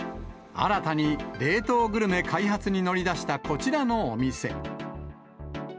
新たに冷凍グルメ開発に乗り出したこちらのお店。